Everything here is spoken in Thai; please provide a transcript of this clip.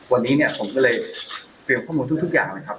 วันนี้เนี่ยผมก็เลยเตรียมข้อมูลทุกอย่างนะครับ